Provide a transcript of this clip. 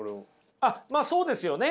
あっまあそうですよね。